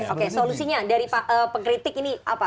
oke solusinya dari pengkritik ini apa